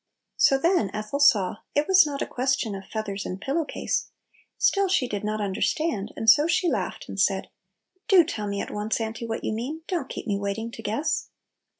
So then Ethel saw it was not a ques tion of feathers and pillow case; still she did not understand, and so she 6 Little Pillows. laughed and said, "Do tell me at once, Auntie, what you mean; don't keep me waiting to guess!"